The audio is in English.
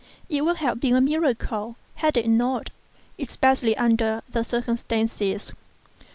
It would have been a miracle had it not—especially under the circumstances.